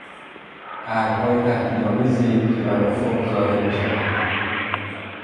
ابرهای تهدید آمیزی که برافق ظاهر میشوند